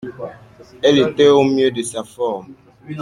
Elle était au mieux de sa forme.